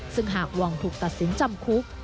ซึ่งหากวองถูกตัดสินจำคุก